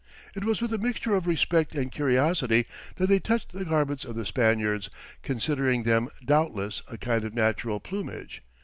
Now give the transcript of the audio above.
It was with a mixture of respect and curiosity that they touched the garments of the Spaniards, considering them doubtless, a kind of natural plumage.